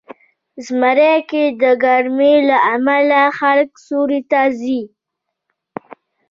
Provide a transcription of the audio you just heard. زمری کې د ګرمۍ له امله خلک سیوري ته ځي.